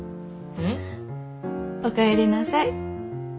うん？お帰りなさい。